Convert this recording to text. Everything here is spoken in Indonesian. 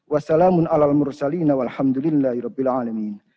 wassalamun ala mursalin wa alhamdulillahi rabbil alamin